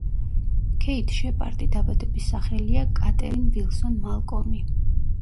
ქეით შეპარდი დაბადების სახელია კატერინ ვილსონ მალკოლმი.